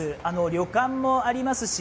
旅館もありますし。